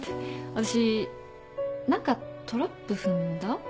私何かトラップ踏んだ？